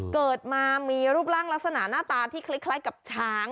เกิดมามีรูปร่างลักษณะหน้าตาที่คล้ายกับช้าง